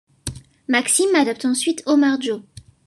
Maxime adopte ensuite Omar-Jo.